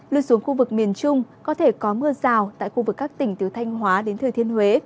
lưu xuống khu vực miền trung có thể có mưa rào tại khu vực các tỉnh từ thanh hóa đến thừa thiên huế